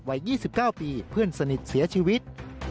วัย๒๙ปีเพื่อนสนิทเสียชีวิต